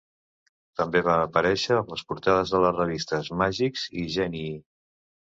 També va aparèixer a les portades de les revistes "Magic" i "Genii".